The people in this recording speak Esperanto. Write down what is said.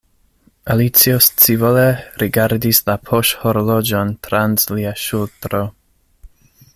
Alicio scivole rigardis la poŝhorloĝon trans lia ŝultro.